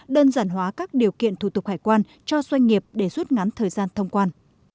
đơn giản hóa các điều kiện thủ tục hải quan cho doanh nghiệp để rút ngắn thời gian thông quan